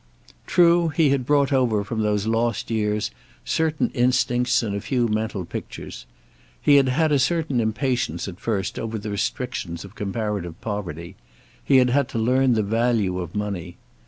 True, he had brought over from those lost years certain instincts and a few mental pictures. He had had a certain impatience at first over the restrictions of comparative poverty; he had had to learn the value of money.